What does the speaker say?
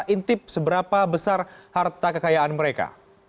intip seberapa besar harta kekayaan mereka